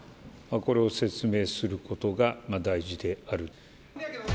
これを説明することが大事である。